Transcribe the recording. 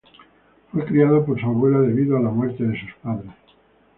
Fue criado por su abuela debido a la muerte de sus padres.